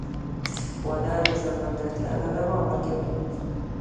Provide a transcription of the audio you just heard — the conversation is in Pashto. • واده د ژوند ملګرتیا ته دوام ورکوي.